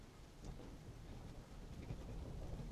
Doctor মানুষ তুমি, একবার গেলে, ওষুধ দিলে, চলে এলে।